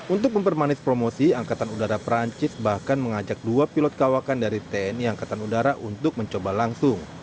untuk mempermanis promosi angkatan udara perancis bahkan mengajak dua pilot kawakan dari tni angkatan udara untuk mencoba langsung